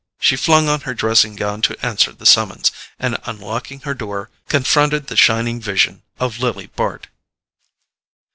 She flung on her dressing gown to answer the summons, and unlocking her door, confronted the shining vision of Lily Bart.